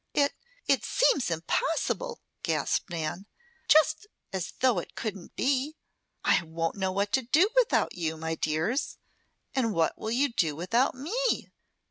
"It, it seems impossible!" gasped Nan, "just as though it couldn't be. I won't know what to do without you, my dears. And what will you do without me?"